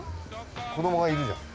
子どもがいるじゃん。